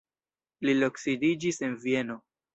Li loksidiĝis en Vieno.